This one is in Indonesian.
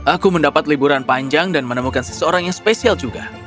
aku mendapat liburan panjang dan menemukan seseorang yang spesial juga